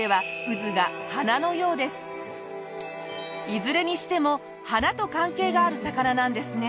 いずれにしても花と関係がある魚なんですね。